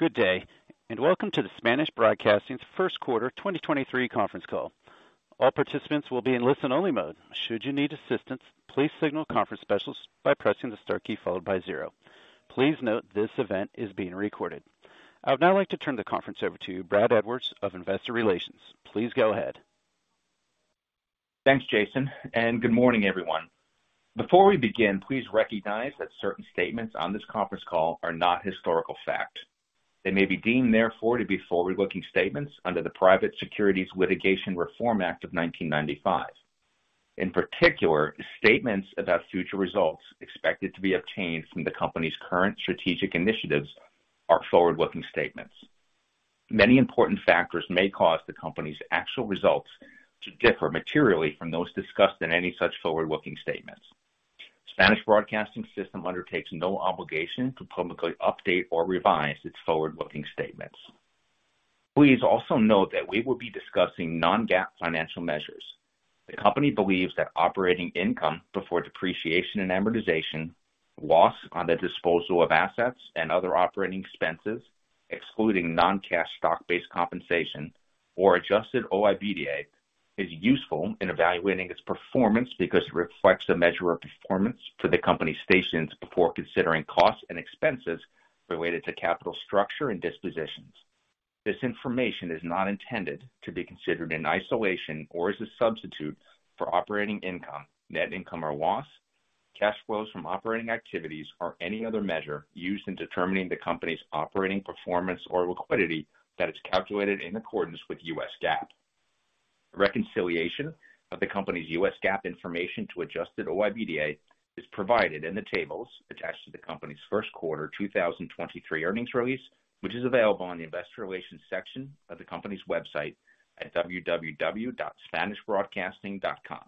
Good day, welcome to the Spanish Broadcasting's First Quarter 2023 conference call. All participants will be in listen-only mode. Should you need assistance, please signal conference specialists by pressing the star key followed by zero. Please note this event is being recorded. I would now like to turn the conference over to Brad Edwards of Investor Relations. Please go ahead. Thanks, Jason. Good morning, everyone. Before we begin, please recognize that certain statements on this conference call are not historical fact. They may be deemed therefore to be forward-looking statements under the Private Securities Litigation Reform Act of 1995. In particular, statements about future results expected to be obtained from the company's current strategic initiatives are forward-looking statements. Many important factors may cause the company's actual results to differ materially from those discussed in any such forward-looking statements. Spanish Broadcasting System undertakes no obligation to publicly update or revise its forward-looking statements. Please also note that we will be discussing non-GAAP financial measures. The company believes that Operating Income Before Depreciation and Amortization, loss on the disposal of assets and other operating expenses, excluding non-cash stock-based compensation or Adjusted OIBDA, is useful in evaluating its performance because it reflects the measure of performance for the company's stations before considering costs and expenses related to capital structure and dispositions. This information is not intended to be considered in isolation or as a substitute for operating income, net income or loss, cash flows from operating activities, or any other measure used in determining the company's operating performance or liquidity that is calculated in accordance with U.S. GAAP. Reconciliation of the company's U.S. GAAP information to Adjusted OIBDA is provided in the tables attached to the company's first quarter 2023 earnings release, which is available on the investor relations section of the company's website at www.spanishbroadcasting.com.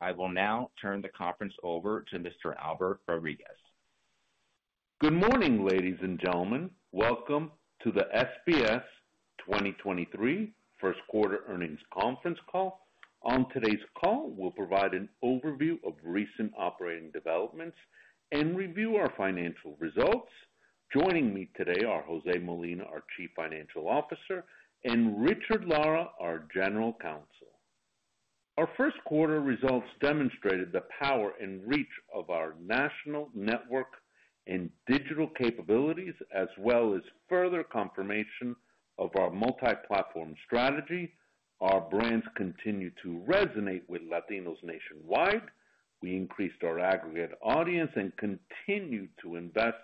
I will now turn the conference over to Mr. Albert Rodriguez. Good morning, ladies and gentlemen. Welcome to the SBS 2023 first quarter earnings conference call. On today's call, we'll provide an overview of recent operating developments and review our financial results. Joining me today are José Molina, our Chief Financial Officer, and Richard Lara, our General Counsel. Our first quarter results demonstrated the power and reach of our national network and digital capabilities, as well as further confirmation of our multi-platform strategy. Our brands continue to resonate with Latinos nationwide. We increased our aggregate audience and continued to invest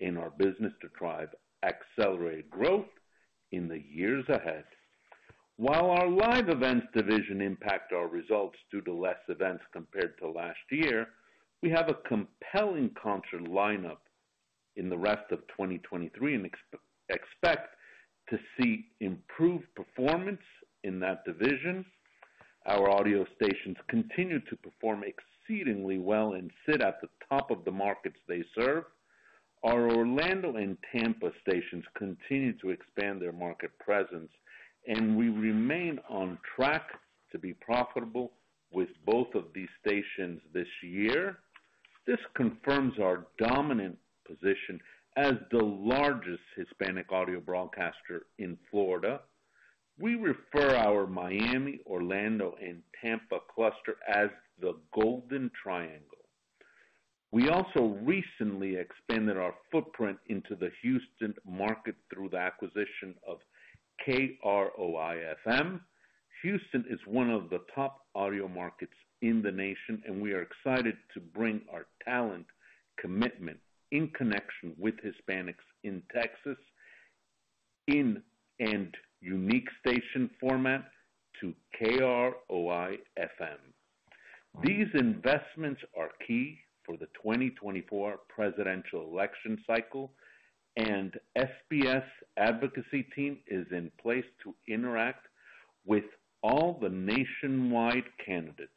in our business to drive accelerated growth in the years ahead. While our live events division impact our results due to less events compared to last year, we have a compelling concert lineup in the rest of 2023 and expect to see improved performance in that division. Our audio stations continue to perform exceedingly well and sit at the top of the markets they serve. Our Orlando and Tampa stations continue to expand their market presence, and we remain on track to be profitable with both of these stations this year. This confirms our dominant position as the largest Hispanic audio broadcaster in Florida. We refer our Miami, Orlando and Tampa cluster as the Golden Triangle. We also recently expanded our footprint into the Houston market through the acquisition of KROI-FM. Houston is one of the top audio markets in the nation, and we are excited to bring our talent, commitment in connection with Hispanics in Texas and unique station format to KROI-FM. These investments are key for the 2024 presidential election cycle, and SBS advocacy team is in place to interact with all the nationwide candidates.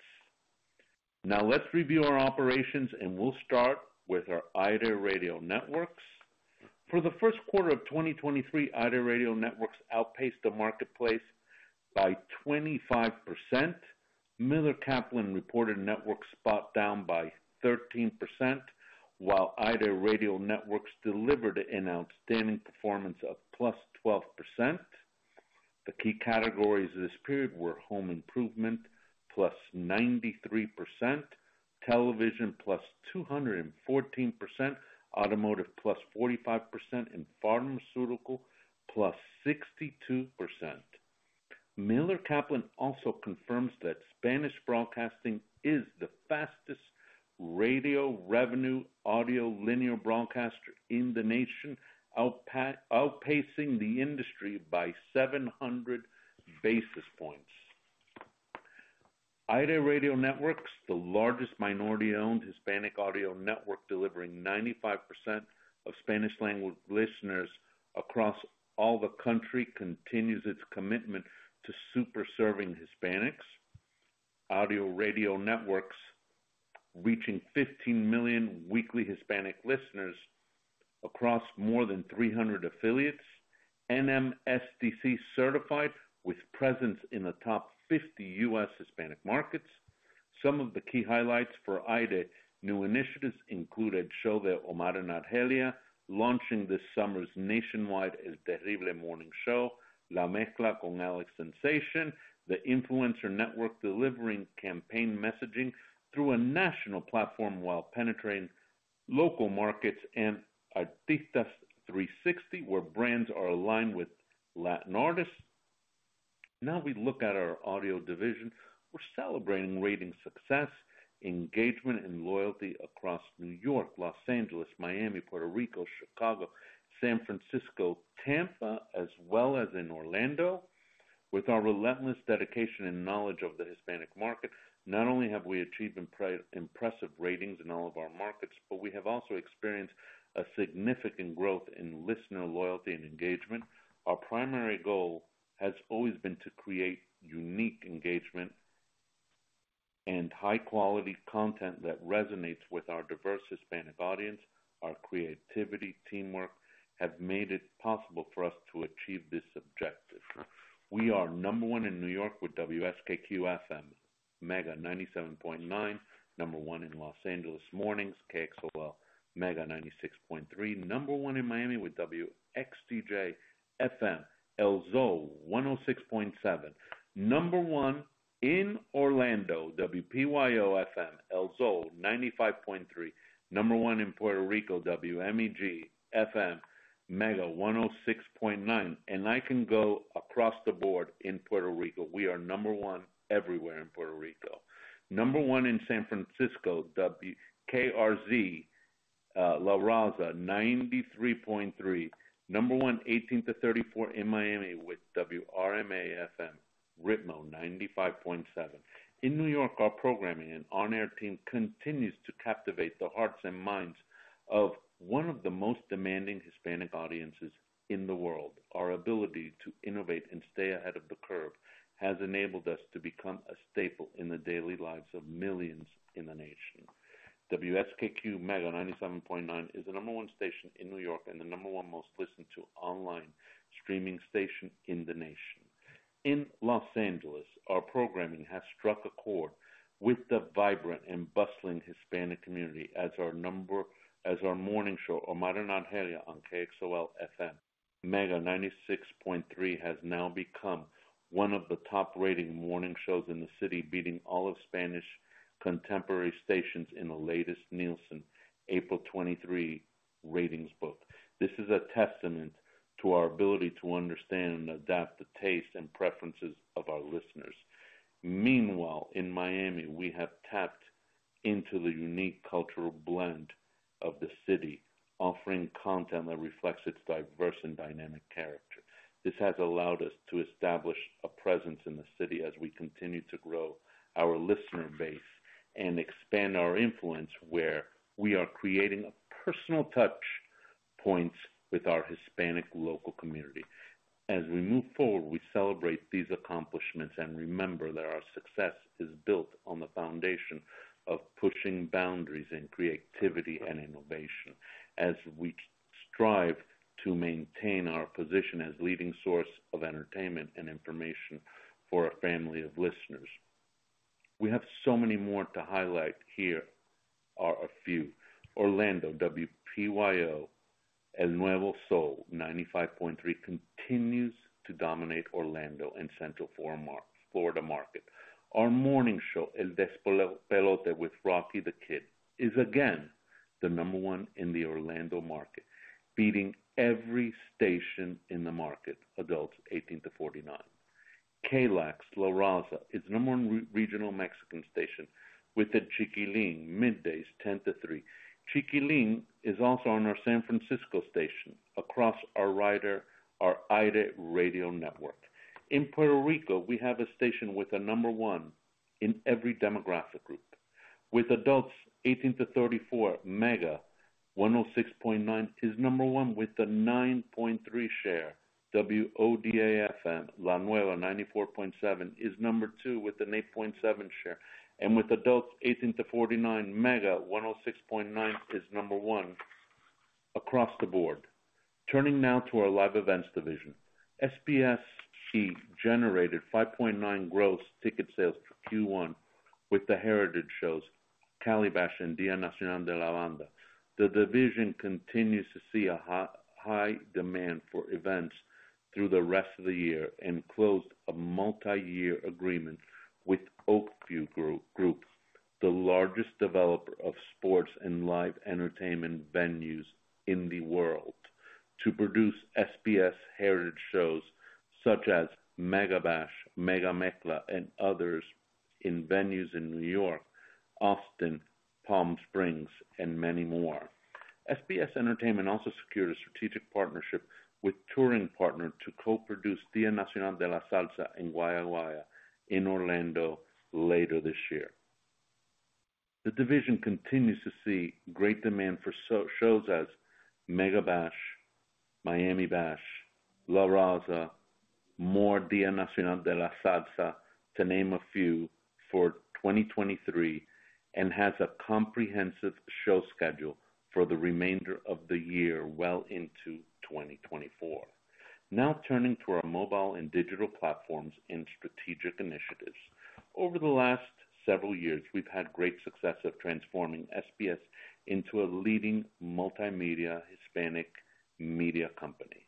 Let's review our operations, and we'll start with our AIRE Radio Networks. For the first quarter of 2023, AIRE Radio Networks outpaced the marketplace by 25%. Miller Kaplan reported network spot down by 13%, while AIRE Radio Networks delivered an outstanding performance of +12%. The key categories this period were home improvement, +93%, television, +214%, automotive, +45%, and pharmaceutical, +62%. Miller Kaplan also confirms that Spanish Broadcasting is the fastest radio revenue audio linear broadcaster in the nation, outpacing the industry by 700 basis points. AIRE Radio Networks, the largest minority-owned Hispanic audio network, delivering 95% of Spanish language listeners across all the country, continues its commitment to super serving Hispanics. AIRE Radio Networks, reaching 15 million weekly Hispanic listeners across more than 300 affiliates, NMSDC certified with presence in the top 50 U.S. Hispanic markets. Key highlights for AIRE new initiatives included El Show de Omar y Argelia, launching this summer's nationwide Al Aire con El Terrible, La Mezcla con Alex Sensation, the influencer network delivering campaign messaging through a national platform while penetrating local markets, and Artistas360, where brands are aligned with Latin artists. We look at our audio division. We're celebrating rating success, engagement, and loyalty across New York, Los Angeles, Miami, Puerto Rico, Chicago, San Francisco, Tampa, as well as in Orlando. With our relentless dedication and knowledge of the Hispanic market, not only have we achieved impressive ratings in all of our markets, but we have also experienced a significant growth in listener loyalty and engagement. Our primary goal has always been to create unique engagement and high quality content that resonates with our diverse Hispanic audience. Our creativity, teamwork, have made it possible for us to achieve this objective. We are number one in New York with WSKQ-FM, Mega 97.9. Number one in Los Angeles mornings, KXOL Mega 96.3. Number one in Miami with WXDJ-FM, El Zol, 106.7. Number one in Orlando, WPYO-FM, El Zol, 95.3. Number one in Puerto Rico, WMEG FM, Mega 106.9, and I can go across the board in Puerto Rico. We are number one everywhere in Puerto Rico. Number one in San Francisco, KRZZ, La Raza, 93.3. Number one, 18 to 34 in Miami with WRMA FM, Ritmo 95.7. In New York, our programming and on-air team continues to captivate the hearts and minds of one of the most demanding Hispanic audiences in the world. Our ability to innovate and stay ahead of the curve has enabled us to become a staple in the daily lives of millions in the nation. WSKQ-FM Mega 97.9 is the number one station in New York and the number one most listened to online streaming station in the nation. In Los Angeles, our programming has struck a chord with the vibrant and bustling Hispanic community as our morning show, Omar and Argelia on KXOL-FM. Mega 96.3, has now become one of the top-rating morning shows in the city, beating all of Spanish contemporary stations in the latest Nielsen, April 23 ratings book. This is a testament to our ability to understand and adapt the taste and preferences of our listeners. Meanwhile, in Miami, we have tapped into the unique cultural blend of the city, offering content that reflects its diverse and dynamic character. This has allowed us to establish a presence in the city as we continue to grow our listener base and expand our influence, where we are creating a personal touch points with our Hispanic local community. As we move forward, we celebrate these accomplishments and remember that our success is built on the foundation of pushing boundaries in creativity and innovation, as we strive to maintain our position as leading source of entertainment and information for a family of listeners. We have so many more to highlight, here are a few: Orlando, WPYO, El Nuevo Zol, 95.3, continues to dominate Orlando and Central Florida market. Our morning show, El Despelote with Rocky The Kid, is again the number one in the Orlando market, beating every station in the market, adults 18-49. KLAX, La Raza, is number one regional Mexican station with the Chiquilin, middays, 10:00 A.M.-3:00 P.M. Chiquilin is also on our San Francisco station across our rider, our AIRE Radio Network. In Puerto Rico, we have a station with a number 1 in every demographic group. With adults 18-34, Mega 106.9, is number one with a 9.3% share. WODA FM, La Nueva 94.7, is number two with an 8.7% share, and with adults 18-49, Mega 106.9 is number one across the board. Turning now to our live events division. SBSE generated $5.9 gross ticket sales for Q1 with the Heritage shows, CALIBASH and Día Nacional de la Banda. The division continues to see a high demand for events through the rest of the year and closed a multi-year agreement with Oak View Group, the largest developer of sports and live entertainment venues in the world, to produce SBS Heritage shows such as MegaBash, Mega Mezcla, and others in venues in New York, Austin, Palm Springs, and many more. SBS Entertainment also secured a strategic partnership with Touring Partner to co-produce Día Nacional de la Salsa and Guaya Guaya in Orlando later this year. The division continues to see great demand for shows as MegaBash, MiamiBash, La Raza, more Día Nacional de la Salsa, to name a few, for 2023 and has a comprehensive show schedule for the remainder of the year, well into 2024. Turning to our mobile and digital platforms and strategic initiatives. Over the last several years, we've had great success of transforming SBS into a leading multimedia Hispanic media company.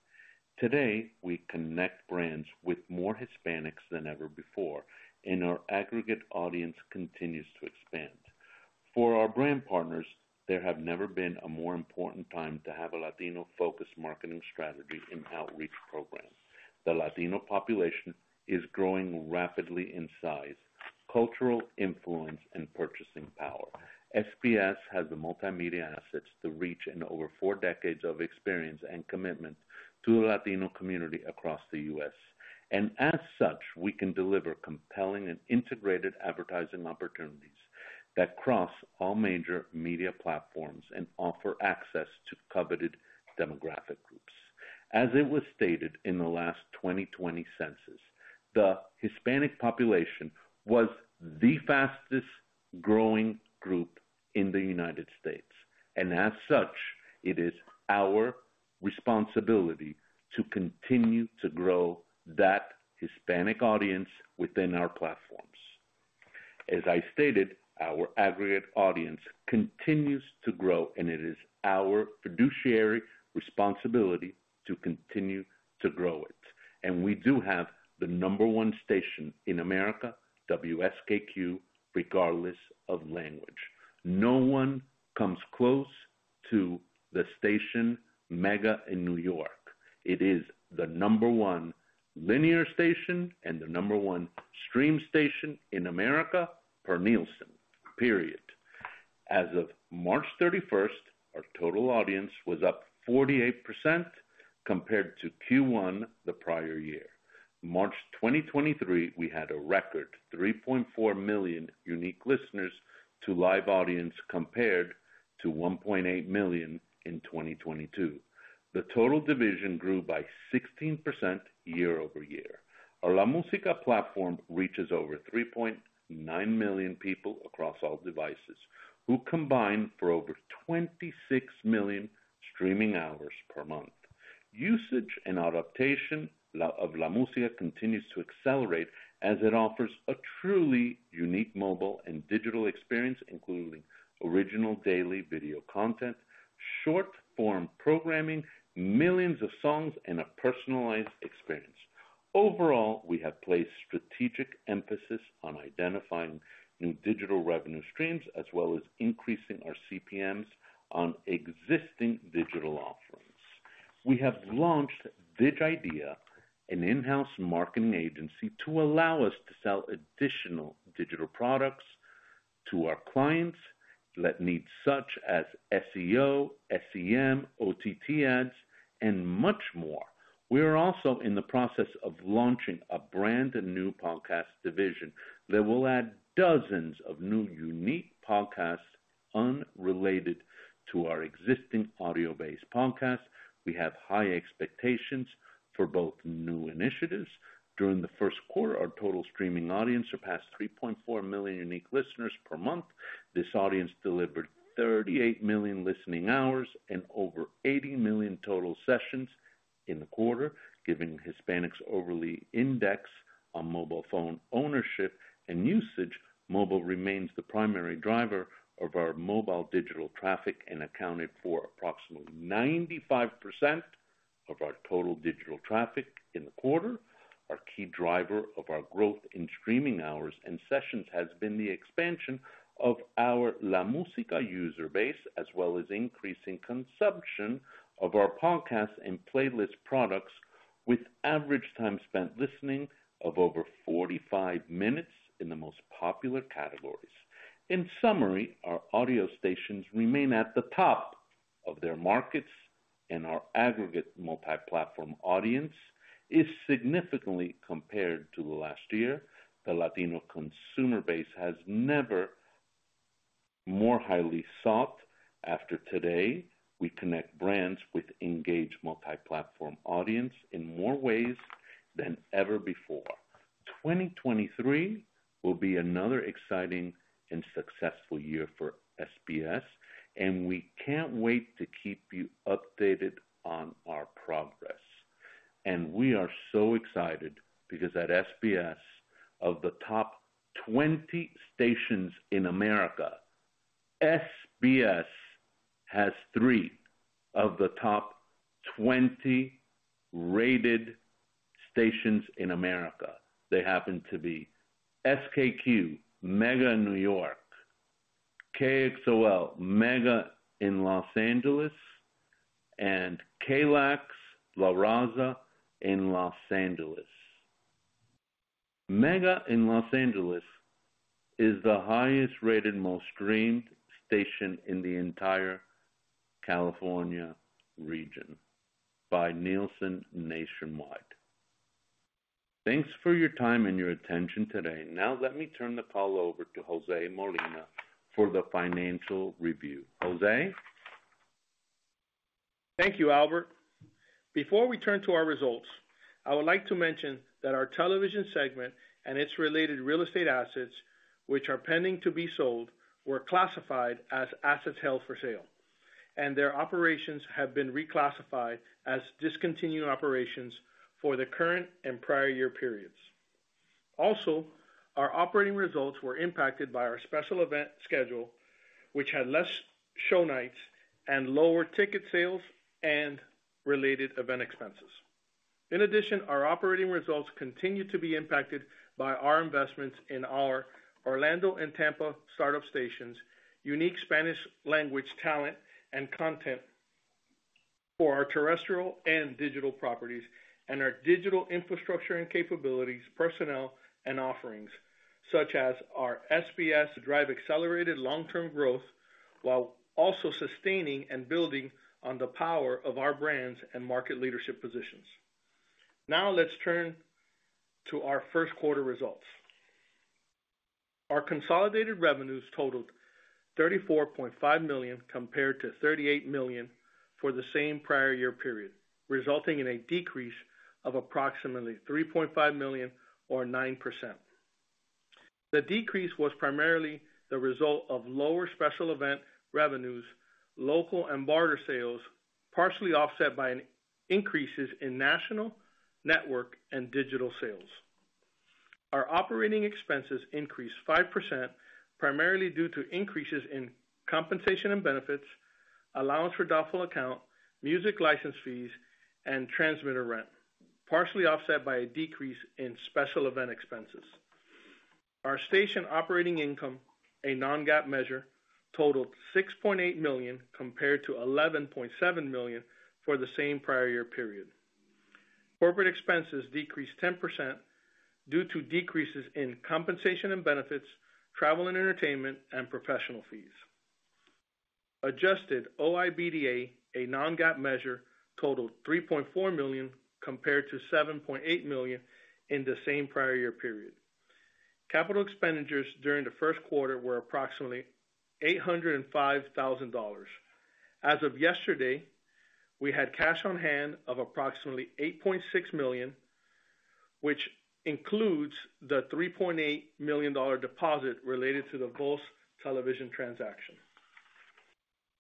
Today, we connect brands with more Hispanics than ever before, and our aggregate audience continues to expand. For our brand partners, there have never been a more important time to have a Latino-focused marketing strategy and outreach program. The Latino population is growing rapidly in size, cultural influence, and purchasing power. SBS has the multimedia assets to reach, and over four decades of experience and commitment to the Latino community across the U.S. As such, we can deliver compelling and integrated advertising opportunities that cross all major media platforms and offer access to coveted demographic groups. It was stated in the last 2020 census, the Hispanic population was the fastest growing group in the United States. As such, it is our responsibility to continue to grow that Hispanic audience within our platforms. I stated, our aggregate audience continues to grow. It is our fiduciary responsibility to continue to grow it. We do have the number one station in America, WSKQ, regardless of language. No one comes close to the station Mega in New York. It is the number one linear station and the number one stream station in America per Nielsen, period. Of March 31st, our total audience was up 48% compared to Q1 the prior year. March 2023, we had a record 3.4 million unique listeners to live audience, compared to 1.8 million in 2022. The total division grew by 16% year-over-year. Our LaMusica platform reaches over 3.9 million people across all devices, who combine for over 26 million streaming hours per month. Usage and adaptation of LaMusica continues to accelerate as it offers a truly unique mobile and digital experience, including original daily video content, short-form programming, millions of songs, and a personalized experience. Overall, we have placed strategic emphasis on identifying new digital revenue streams, as well as increasing our CPMs on existing digital offerings. We have launched DigIdea, an in-house marketing agency, to allow us to sell additional digital products to our clients that need such as SEO, SEM, OTT ads, and much more. We are also in the process of launching a brand new podcast division that will add dozens of new unique podcasts unrelated to our existing audio-based podcasts. We have high expectations for both new initiatives. During the first quarter, our total streaming audience surpassed 3.4 million unique listeners per month. This audience delivered 38 million listening hours and over 80 million total sessions in the quarter. Given Hispanics overly index on mobile phone ownership and usage, mobile remains the primary driver of our mobile digital traffic and accounted for approximately 95% of our total digital traffic in the quarter. Our key driver of our growth in streaming hours and sessions has been the expansion of our La Música user base, as well as increasing consumption of our podcasts and playlist products, with average time spent listening of over 45 minutes in the most popular categories. In summary, our audio stations remain at the top of their markets, and our aggregate multi-platform audience is significantly compared to the last year. The Latino consumer base has never more highly sought after today. We connect brands with engaged multi-platform audience in more ways than ever before. 2023 will be another exciting and successful year for SBS. We can't wait to keep you updated on our progress. We are so excited because at SBS, of the top 20 stations in America, SBS has three of the top 20 rated stations in America. They happen to be SKQ, Mega New York, KXOL Mega in Los Angeles, and KLAX La Raza in Los Angeles. Mega in Los Angeles is the highest-rated, most streamed station in the entire California region by Nielsen nationwide. Thanks for your time and your attention today. Now, let me turn the call over to José Molina for the financial review. José? Thank you, Albert. Before we turn to our results, I would like to mention that our television segment and its related real estate assets, which are pending to be sold, were classified as assets held for sale, and their operations have been reclassified as discontinued operations for the current and prior year periods. Also, our operating results were impacted by our special event schedule, which had less show nights and lower ticket sales and related event expenses. In addition, our operating results continued to be impacted by our investments in our Orlando and Tampa startup stations, unique Spanish-language, talent, and content for our terrestrial and digital properties, and our digital infrastructure and capabilities, personnel, and offerings, such as our SBS drive accelerated long-term growth, while also sustaining and building on the power of our brands and market leadership positions. Let's turn to our first quarter results. Our consolidated revenues totaled $34.5 million, compared to 38 million for the same prior year period, resulting in a decrease of approximately $3.5 million or 9%. The decrease was primarily the result of lower special event revenues, local and barter sales, partially offset by an increases in national, network, and digital sales. Our operating expenses increased 5%, primarily due to increases in compensation and benefits, allowance for doubtful account, music license fees, and transmitter rent, partially offset by a decrease in special event expenses. Our station operating income, a non-GAAP measure, totaled $6.8 million, compared to 11.7 million for the same prior year period. Corporate expenses decreased 10% due to decreases in compensation and benefits, travel and entertainment, and professional fees. Adjusted OIBDA, a non-GAAP measure, totaled $3.4 million, compared to 7.8 million in the same prior year period. Capital expenditures during the first quarter were approximately $805,000. As of yesterday, we had cash on hand of approximately $8.6 million, which includes the $3.8 million deposit related to the Mega TV transaction.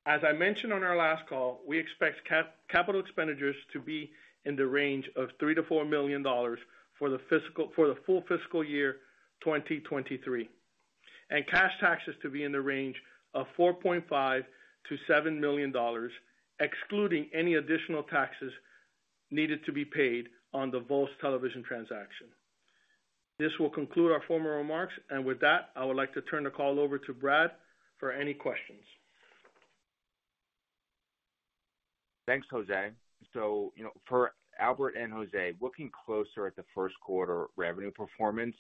As I mentioned on our last call, we expect capital expenditures to be in the range of $3 million-4 million for the full fiscal year 2023, and cash taxes to be in the range of $4.5 million-7 million, excluding any additional taxes needed to be paid on the Mega TV transaction. This will conclude our formal remarks, and with that, I would like to turn the call over to Brad for any questions. Thanks, José. You know, for Albert and José, looking closer at the first quarter revenue performance,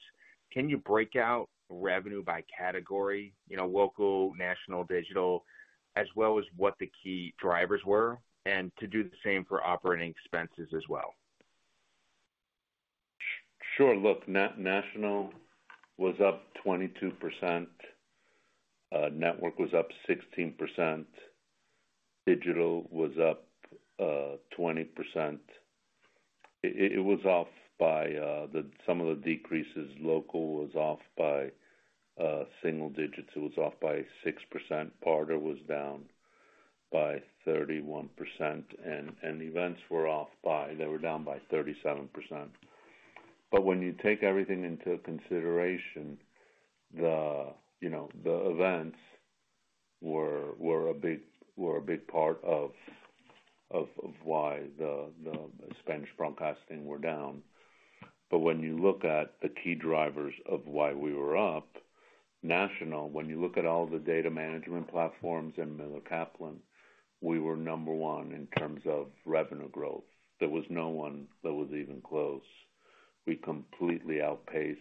can you break out revenue by category, you know, local, national, digital, as well as what the key drivers were, and to do the same for operating expenses as well? Sure. Look, national was up 22%, network was up 16%, digital was up 20%. It was off by some of the decreases. Local was off by single digits. It was off by 6%. Barter was down by 31%, and events were off by. They were down by 37%. When you take everything into consideration, you know, the events were a big part of why the Spanish Broadcasting System were down. When you look at the key drivers of why we were up, national, when you look at all the data management platforms in Miller Kaplan, we were number one in terms of revenue growth. There was no one that was even close. We completely outpaced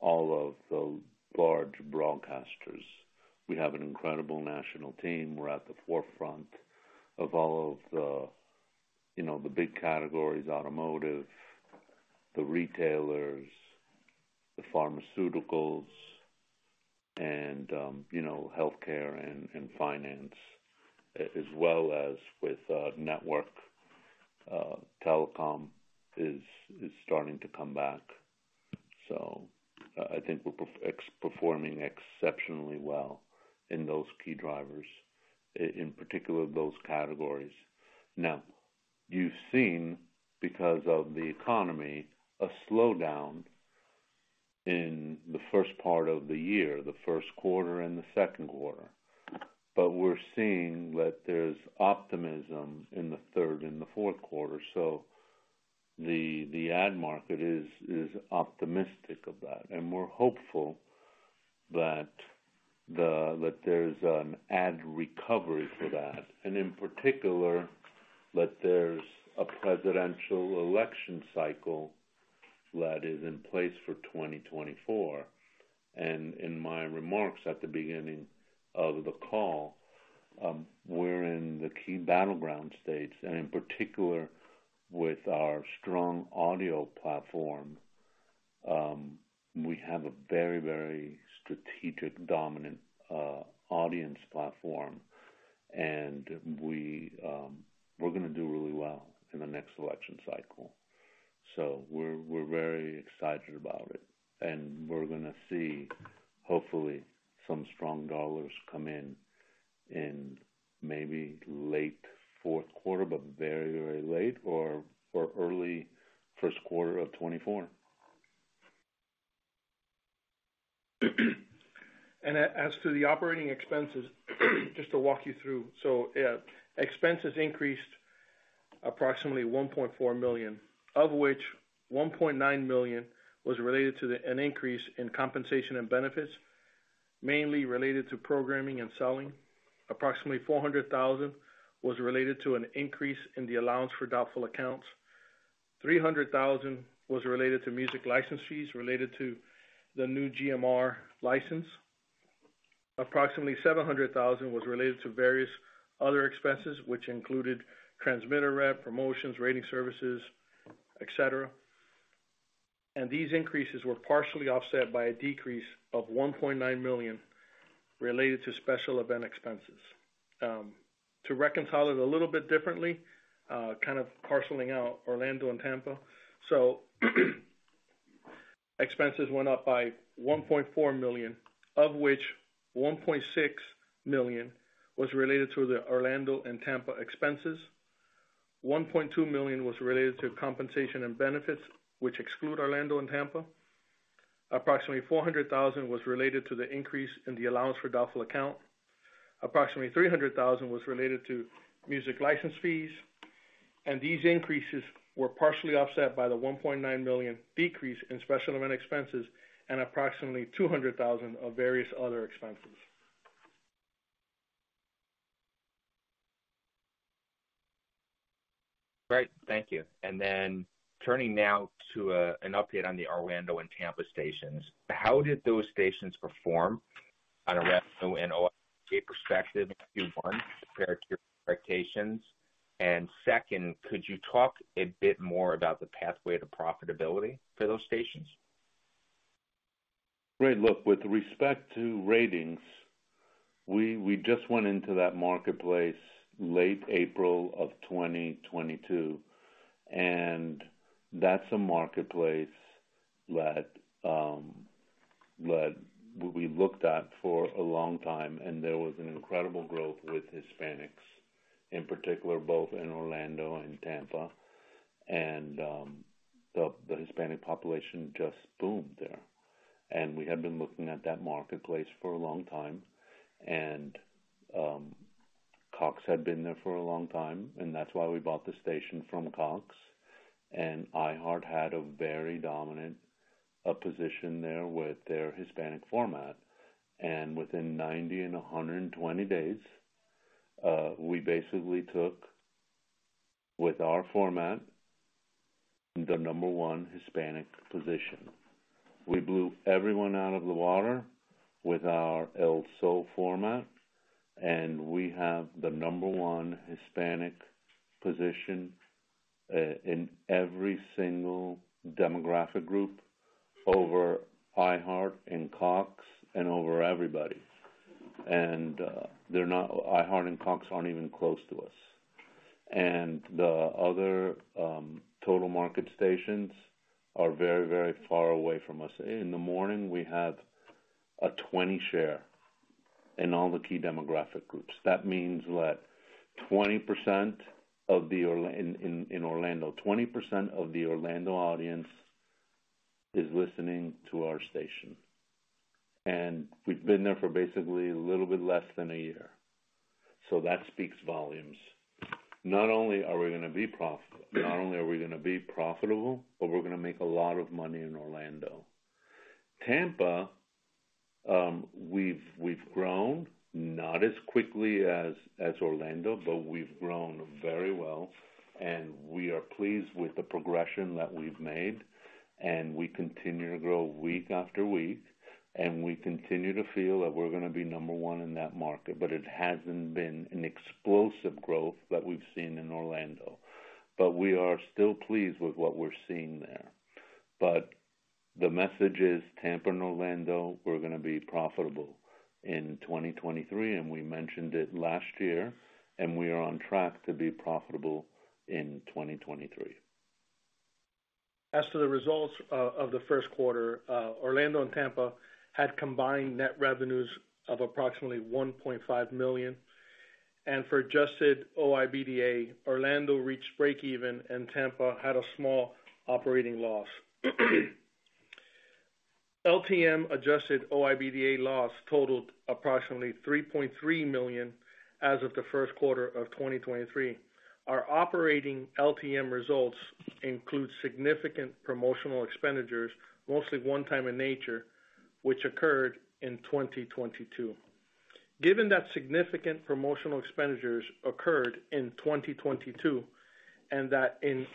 all of the large broadcasters. We have an incredible national team. We're at the forefront of all of the, you know, the big categories, automotive, the retailers, the pharmaceuticals, and, you know, healthcare and finance, as well as with network. Telecom is starting to come back. I think we're performing exceptionally well in those key drivers, in particular, those categories. You've seen, because of the economy, a slowdown in the first part of the year, the first quarter and the second quarter, we're seeing that there's optimism in the third and the fourth quarter. The ad market is optimistic of that, and we're hopeful that there's an ad recovery for that, and in particular, that there's a presidential election cycle that is in place for 2024. In my remarks at the beginning of the call, we're in the key battleground states, and in particular, with our strong audio platform. We have a very strategic, dominant audience platform, and we're gonna do really well in the next election cycle. We're very excited about it, and we're gonna see, hopefully, some strong dollars come in in maybe late fourth quarter, but very late or early first quarter of 2024. As to the operating expenses, just to walk you through. Expenses increased approximately $1.4 million, of which $1.9 million was related to an increase in compensation and benefits, mainly related to programming and selling. Approximately $400,000 was related to an increase in the allowance for doubtful accounts. $300,000 was related to music license fees related to the new GMR license. Approximately $700,000 was related to various other expenses, which included transmitter rep, promotions, rating services, et cetera. These increases were partially offset by a decrease of $1.9 million related to special event expenses. To reconcile it a little bit differently, kind of parceling out Orlando and Tampa. Expenses went up by $1.4 million, of which $1.6 million was related to the Orlando and Tampa expenses. $1.2 million was related to compensation and benefits, which exclude Orlando and Tampa. Approximately $400,000 was related to the increase in the allowance for doubtful account. Approximately $300,000 was related to music license fees. These increases were partially offset by the $1.9 million decrease in special event expenses and approximately $200,000 of various other expenses. Great, thank you. Turning now to an update on the Orlando and Tampa stations. How did those stations perform on a revenue and OIBDA perspective, Q1, compared to your expectations? Second, could you talk a bit more about the pathway to profitability for those stations? Great. Look, with respect to ratings, we just went into that marketplace late April of 2022, that's a marketplace that we looked at for a long time, and there was an incredible growth with Hispanics, in particular, both in Orlando and Tampa. The Hispanic population just boomed there. We had been looking at that marketplace for a long time, Cox had been there for a long time, and that's why we bought the station from Cox. iHeartMedia had a very dominant position there with their Hispanic format, and within 90 and 120 days, we basically took, with our format, the number one Hispanic position. We blew everyone out of the water with our El Sol format, we have the number one Hispanic position in every single demographic group over iHeartMedia and Cox and over everybody. iHeartMedia and Cox aren't even close to us. The other total market stations are very, very far away from us. In the morning, we have a 20 share in all the key demographic groups. That means that 20% of the Orlando, 20% of the Orlando audience is listening to our station. We've been there for basically a little bit less than a year, that speaks volumes. Not only are we gonna be profitable, we're gonna make a lot of money in Orlando. Tampa, we've grown, not as quickly as Orlando, but we've grown very well, and we are pleased with the progression that we've made, and we continue to grow week after week, and we continue to feel that we're gonna be number one in that market, but it hasn't been an explosive growth that we've seen in Orlando. We are still pleased with what we're seeing there. The message is, Tampa and Orlando, we're gonna be profitable in 2023, and we mentioned it last year, and we are on track to be profitable in 2023. As to the results, of the first quarter, Orlando and Tampa had combined net revenues of approximately $1.5 million. For Adjusted OIBDA, Orlando reached breakeven and Tampa had a small operating loss. LTM Adjusted OIBDA loss totaled approximately $3.3 million as of the first quarter of 2023. Our operating LTM results include significant promotional expenditures, mostly one time in nature, which occurred in 2022. Given that significant promotional expenditures occurred in 2022, and that in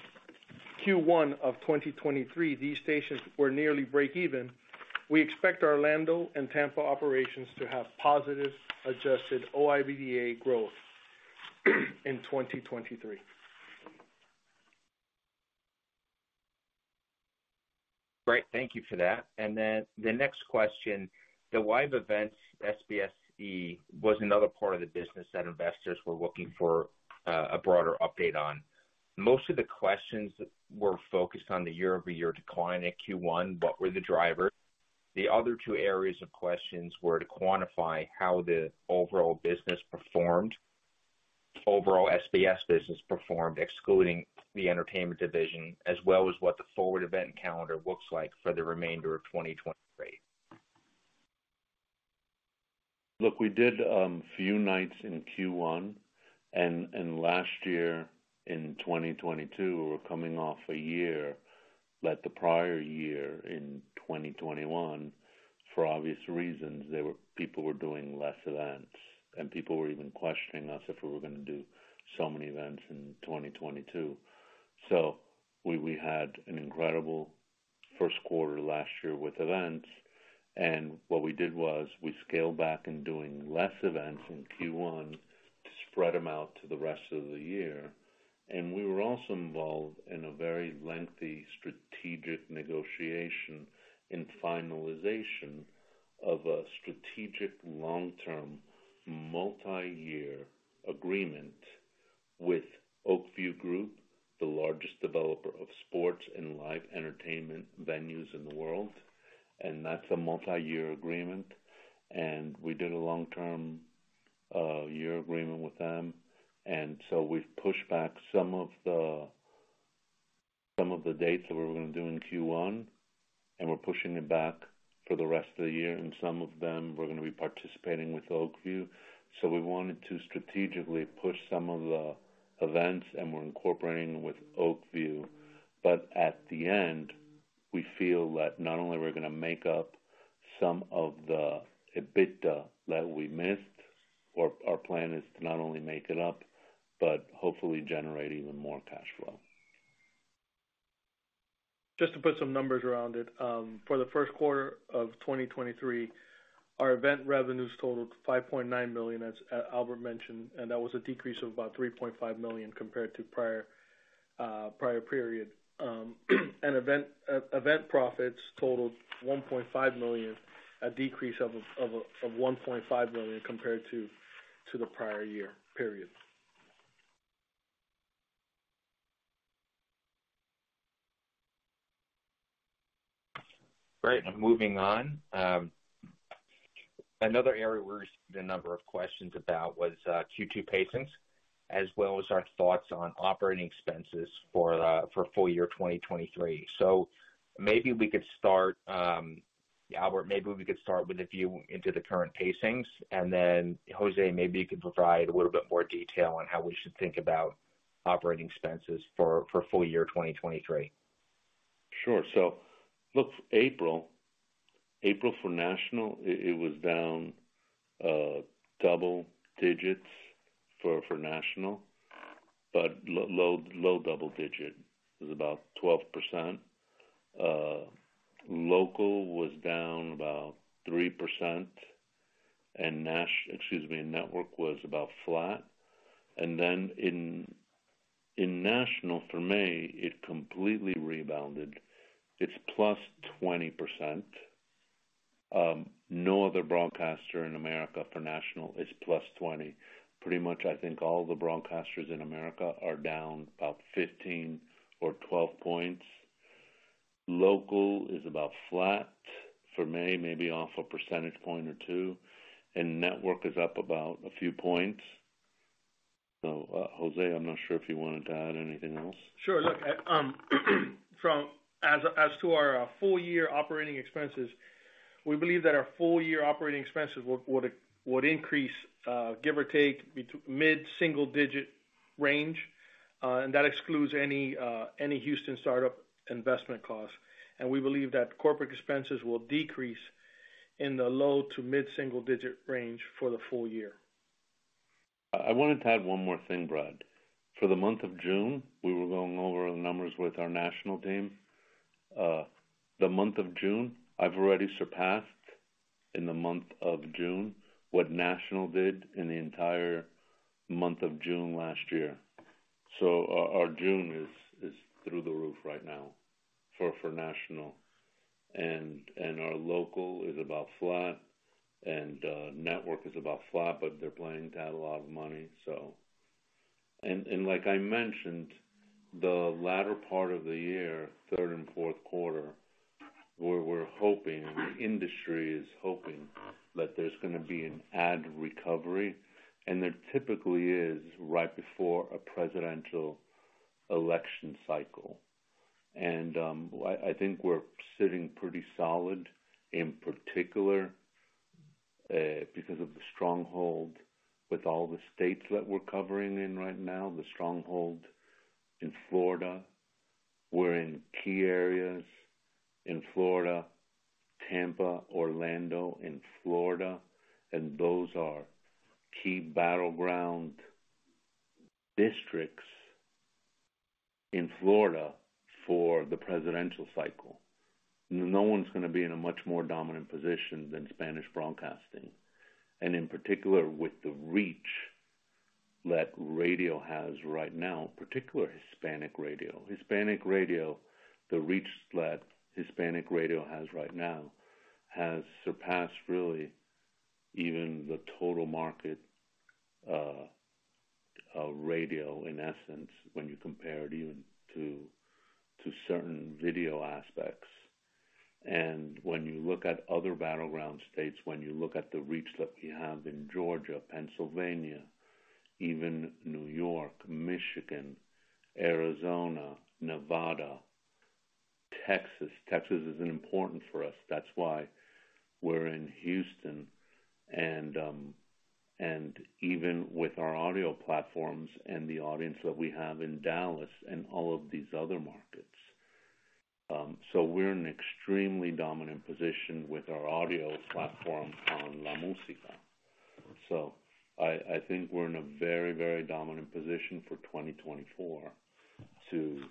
Q1 of 2023, these stations were nearly breakeven, we expect our Orlando and Tampa operations to have positive Adjusted OIBDA growth in 2023. Great. Thank you for that. Then the next question, the live events, SBSE, was another part of the business that investors were looking for, a broader update on. Most of the questions were focused on the year-over-year decline at Q1. What were the drivers? The other two areas of questions were to quantify how the overall business performed, overall SBS business performed, excluding the entertainment division, as well as what the forward event calendar looks like for the remainder of 2023. Look, we did few nights in Q1, and last year, in 2022, we were coming off a year that the prior year in 2021, for obvious reasons, people were doing less events, and people were even questioning us if we were gonna do so many events in 2022. We had an incredible first quarter last year with events, and what we did was we scaled back in doing less events in Q1 to spread them out to the rest of the year. We were also involved in a very lengthy strategic negotiation and finalization of a strategic, long-term, multi-year agreement with Oak View Group, the largest developer of sports and live entertainment venues in the world. That's a multi-year agreement, and we did a long-term year agreement with them. We've pushed back some of the dates that we were gonna do in Q1, and we're pushing it back for the rest of the year. Some of them, we're gonna be participating with Oak View. We wanted to strategically push some of the events, and we're incorporating with Oak View. At the end, we feel that not only we're gonna make up some of the EBITDA that we missed, or our plan is to not only make it up, but hopefully generate even more cash flow. Just to put some numbers around it, for the first quarter of 2023, our event revenues totaled $5.9 million, as Albert mentioned, and that was a decrease of about $3.5 million compared to prior period. Event profits totaled $1.5 million, a decrease of $1.5 million compared to the prior year period. Great, moving on. Another area where there's been a number of questions about was Q2 pacings, as well as our thoughts on operating expenses for full year 2023. Maybe we could start, Albert, maybe we could start with a view into the current pacings, and then, José, maybe you could provide a little bit more detail on how we should think about operating expenses for full year 2023. Sure. Look, April for national, it was down double digits for national, but low double digit. It was about 12%. Local was down about 3%. Excuse me, network was about flat. In national for May, it completely rebounded. It's +20%. No other broadcaster in America for national is +20%. Pretty much, I think all the broadcasters in America are down about 15 or 12 points. Local is about flat for May, maybe off a percentage point or two, and network is up about a few points. José, I'm not sure if you want to add anything else. Sure. Look, As to our full year operating expenses, we believe that our full year operating expenses would increase, give or take, mid-single digit range, and that excludes any Houston startup investment costs. We believe that corporate expenses will decrease in the low to mid-single digit range for the full year. I wanted to add one more thing, Brad. For the month of June, we were going over the numbers with our national team. The month of June, I've already surpassed, in the month of June, what national did in the entire month of June last year. Our June is through the roof right now for national, and our local is about flat, and network is about flat, they're planning to add a lot of money. Like I mentioned, the latter part of the year, third and fourth quarter, we're hoping, the industry is hoping that there's gonna be an ad recovery, there typically is right before a presidential election cycle. I think we're sitting pretty solid, in particular, because of the stronghold with all the states that we're covering in right now, the stronghold in Florida. We're in key areas in Florida, Tampa, Orlando, in Florida, and those are key battleground districts in Florida. For the presidential cycle, no one's gonna be in a much more dominant position than Spanish Broadcasting. In particular, with the reach that radio has right now, particularly Hispanic radio. Hispanic radio, the reach that Hispanic radio has right now, has surpassed really even the total market of radio, in essence, when you compare it even to certain video aspects. When you look at other battleground states, when you look at the reach that we have in Georgia, Pennsylvania, even New York, Michigan, Arizona, Nevada, Texas. Texas is important for us, that's why we're in Houston, and even with our audio platforms and the audience that we have in Dallas and all of these other markets. So we're in an extremely dominant position with our audio platform on LaMusica. So I think we're in a very, very dominant position for 2024 to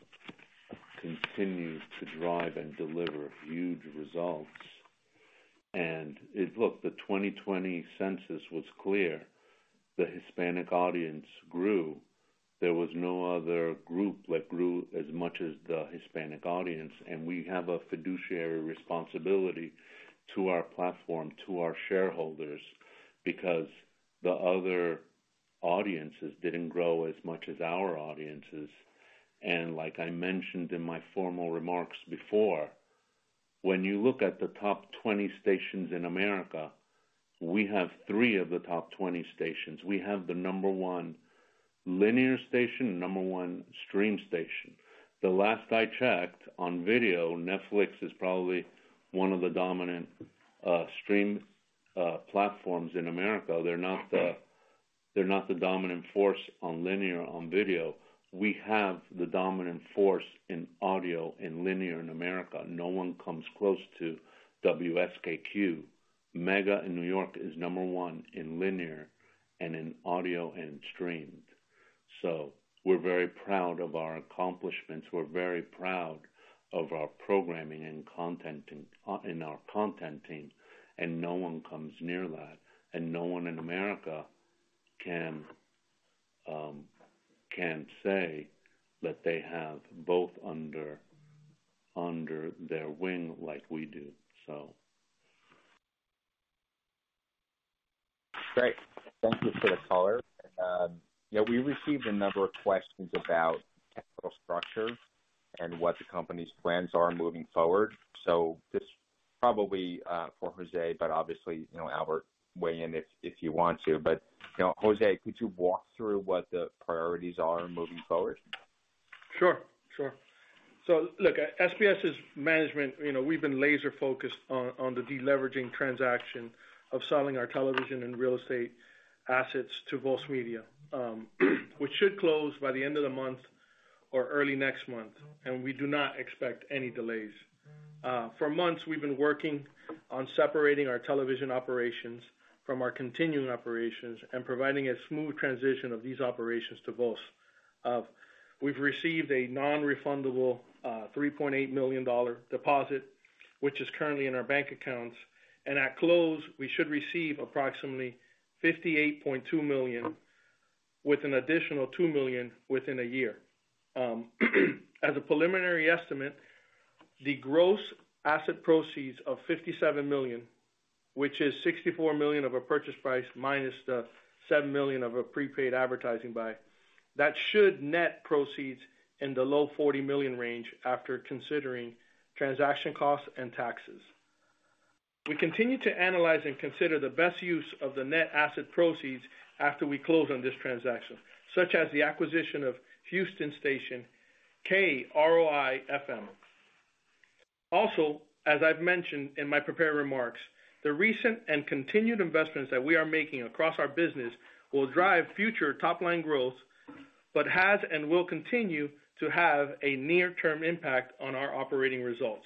continue to drive and deliver huge results. look, the 2020 census was clear: the Hispanic audience grew. There was no other group that grew as much as the Hispanic audience, and we have a fiduciary responsibility to our platform, to our shareholders, because the other audiences didn't grow as much as our audiences. Like I mentioned in my formal remarks before, when you look at the top 20 stations in America, we have three of the top 20 stations. We have the number one linear station, number one stream station. The last I checked on video, Netflix is probably one of the dominant stream platforms in America. They're not the dominant force on linear, on video. We have the dominant force in audio, in linear in America. No one comes close to WSKQ. Mega in New York is number one in linear and in audio and in stream. We're very proud of our accomplishments. We're very proud of our programming and content and our content team, and no one comes near that, and no one in America can say that they have both under their wing like we do, so. Great. Thank you for the color. Yeah, we received a number of questions about technical structure and what the company's plans are moving forward. This is probably for José, but obviously, you know, Albert, weigh in if you want to. You know, José, could you walk through what the priorities are moving forward? Sure. Sure. Look, SBS's management, you know, we've been laser focused on the deleveraging transaction of selling our television and real estate assets to Voz Media, which should close by the end of the month or early next month. We do not expect any delays. For months, we've been working on separating our television operations from our continuing operations and providing a smooth transition of these operations to Voz. We've received a non-refundable $3.8 million deposit, which is currently in our bank accounts. At close, we should receive approximately $58.2 million, with an additional $2 million within a year. As a preliminary estimate, the gross asset proceeds of $57 million, which is 64 million of a purchase price, minus the $7 million of a prepaid advertising buy, that should net proceeds in the low $40 million range after considering transaction costs and taxes. We continue to analyze and consider the best use of the net asset proceeds after we close on this transaction, such as the acquisition of Houston station, KROI-FM. As I've mentioned in my prepared remarks, the recent and continued investments that we are making across our business will drive future top-line growth, but has and will continue to have a near-term impact on our operating results.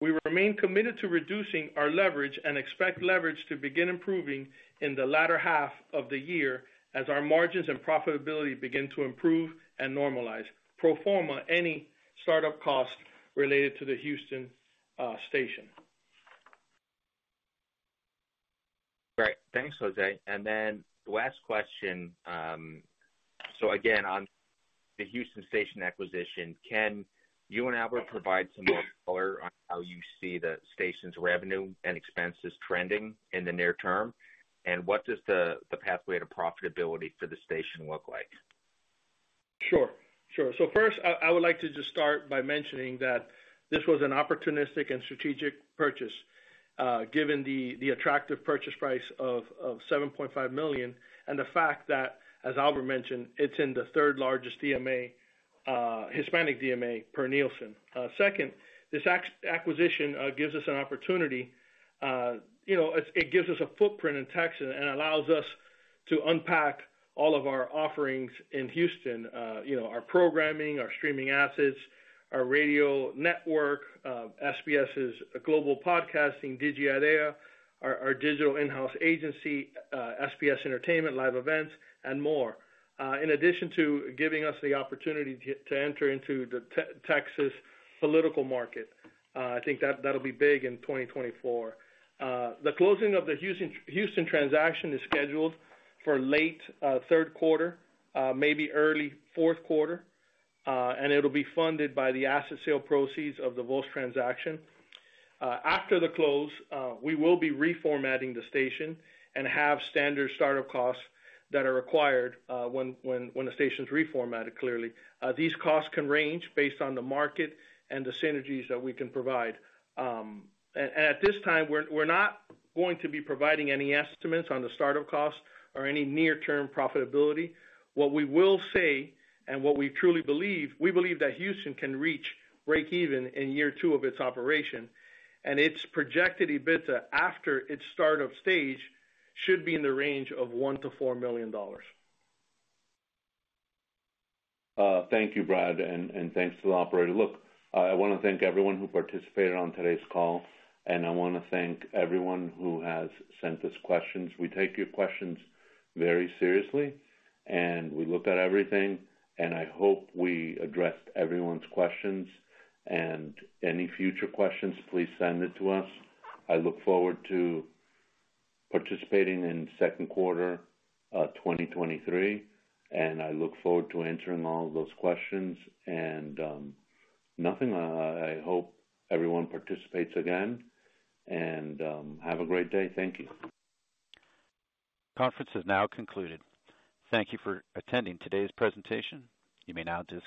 We remain committed to reducing our leverage and expect leverage to begin improving in the latter half of the year as our margins and profitability begin to improve and normalize. Pro forma, any startup costs related to the Houston station. Great. Thanks, José. The last question, so again, on the Houston station acquisition, can you and Albert provide some more color on how you see the station's revenue and expenses trending in the near term? What does the pathway to profitability for the station look like? Sure. Sure. First, I would like to just start by mentioning that this was an opportunistic and strategic purchase, given the attractive purchase price of $7.5 million, and the fact that, as Albert mentioned, it's in the third largest DMA, Hispanic DMA, per Nielsen. Second, this acquisition gives us an opportunity, you know, it gives us a footprint in Texas and allows us to unpack all of our offerings in Houston, you know, our programming, our streaming assets, our radio network, SBS's global podcasting, DigIdea, our digital in-house agency, SBS Entertainment, live events, and more. In addition to giving us the opportunity to enter into the Texas political market, I think that'll be big in 2024. The closing of the Houston transaction is scheduled for late third quarter, maybe early fourth quarter. It'll be funded by the asset sale proceeds of the Voz transaction. After the close, we will be reformatting the station and have standard startup costs that are required when a station's reformatted, clearly. These costs can range based on the market and the synergies that we can provide. At this time, we're not going to be providing any estimates on the startup costs or any near-term profitability. What we will say and what we truly believe, we believe that Houston can reach breakeven in year two of its operation, and its projected EBITDA, after its startup stage, should be in the range of $1 million-4 million. Thank you, Brad, and thanks to the operator. Look, I wanna thank everyone who participated on today's call, and I wanna thank everyone who has sent us questions. We take your questions very seriously, and we look at everything, and I hope we addressed everyone's questions. Any future questions, please send it to us. I look forward to participating in second quarter 2023, and I look forward to answering all those questions. Nothing, I hope everyone participates again, and have a great day. Thank you. Conference is now concluded. Thank you for attending today's presentation. You may now disconnect.